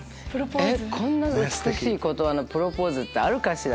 こんな美しい言葉のプロポーズってあるかしら？